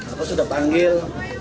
aku sudah panggil